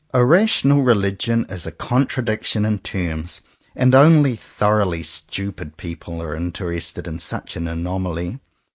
A rational religion is a contradic tion in terms; and only thoroughly stupid people are interested in such an anomaly.